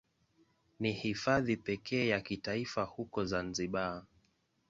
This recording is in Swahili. Ni Hifadhi pekee ya kitaifa huko Zanzibar.